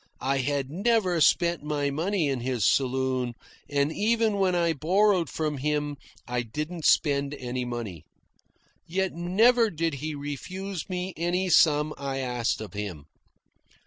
I had never spent my money in his saloon, and even when I borrowed from him I didn't spend any money. Yet never did he refuse me any sum I asked of him.